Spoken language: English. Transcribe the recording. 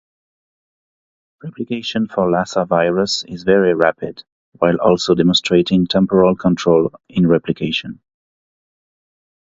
Replication for Lassa virus is very rapid, while also demonstrating temporal control in replication.